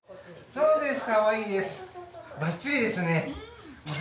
そうです